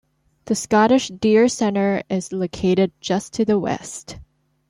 The Scottish Deer Centre is located just to the west.